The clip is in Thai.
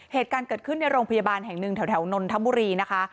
เหตุการณ์เกิดขึ้นในโรงพยาบาลแห่งหนึ่งแถวนนทบุรีนะคะ